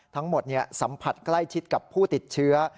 ทั้งหมดสัมผัสใกล้ชิดกับผู้ติดเชื้อ